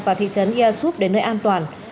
và thị trấn ia xúc đến nơi an toàn